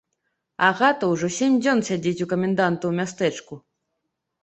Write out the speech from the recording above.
Агата ўжо сем дзён сядзіць у каменданта ў мястэчку.